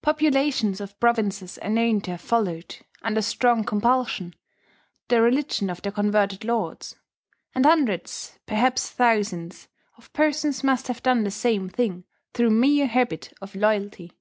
Populations of provinces are known to have followed, under strong compulsion, the religion of their converted lords; and hundreds perhaps thousands of persons must have done the same thing through mere habit of loyalty.